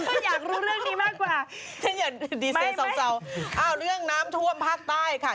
ถ้าอยากรู้เรื่องนี้มากกว่าฉันอยากดีเซเศร้าอ้าวเรื่องน้ำท่วมภาคใต้ค่ะ